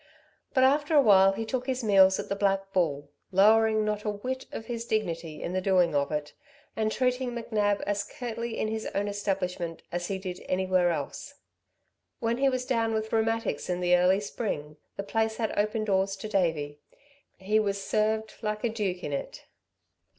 But after a while, he took his meals at the Black Bull, lowering not a whit of his dignity in the doing of it, and treating McNab as curtly in his own establishment as he did anywhere else. When he was down with rheumatics in the early spring, the place had open doors to Davey. He was served like a duke in it.